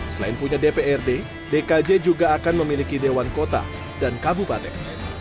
selain punya dprd dkj juga akan memiliki dewan kota dan kabupaten